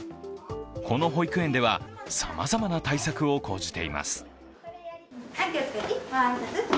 この保育園ではさまざまな対策を講じています。